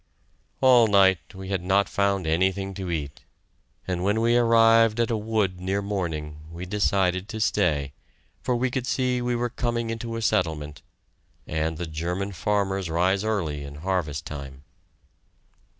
All night we had not found anything to eat, and when we arrived at a wood near morning, we decided to stay, for we could see we were coming into a settlement, and the German farmers rise early in harvest time.